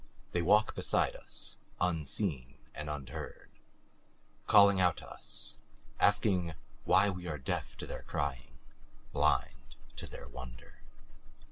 They walk beside us, unseen and unheard, calling out to us, asking why we are deaf to their crying, blind to their wonder.